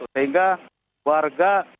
sehingga warga sudah mengungsi